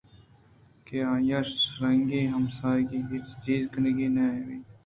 کہ آئی ءِ شَرّرنگی ءِ ہمسنگی ہچ چیز ءَکنگ نہ بیت